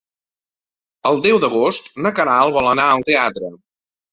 El deu d'agost na Queralt vol anar al teatre.